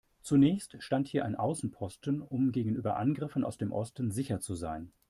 Zunächst stand hier ein Außenposten, um gegenüber Angriffen aus dem Osten sicher zu sein.